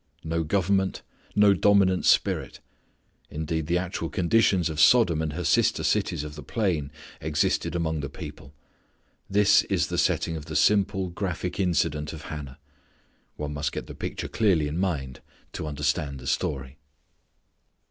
No government; no dominant spirit. Indeed the actual conditions of Sodom and her sister cities of the plain existed among the people. This is the setting of the simple graphic incident of Hannah. One must get the picture clearly in mind to understand the story.